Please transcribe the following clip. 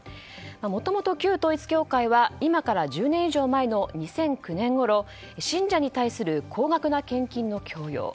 もともと旧統一教会は今から１０年以上前の２００９年ごろ、信者に対する高額な献金の強要。